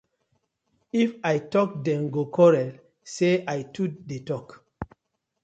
If I tok dem go quarll say I too dey tok.